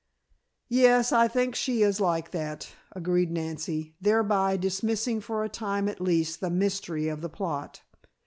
"Yes, I think she is like that," agreed Nancy, thereby dismissing for a time at least the mystery of the plot.